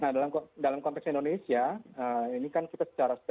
nah dalam konteks indonesia